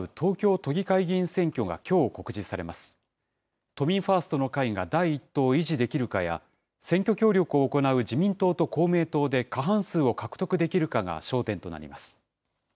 都民ファーストの会が第１党を維持できるかや、選挙協力を行う自民党と公明党で過半数を獲得できるかが焦点となります。